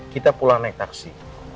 kita pulang naik taksi